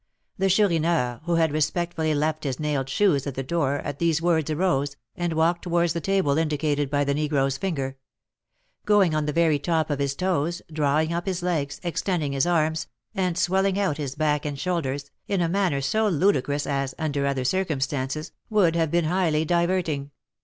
The Chourineur, who had respectfully left his nailed shoes at the door, at these words arose, and walked towards the table indicated by the negro's finger; going on the very top of his toes, drawing up his legs, extending his arms, and swelling out his back and shoulders, in a manner so ludicrous as, under other circumstances, would have been highly diverting.